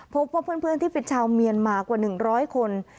พบเพื่อนที่ผิดชาวเมียนมากว่า๑๐๐คน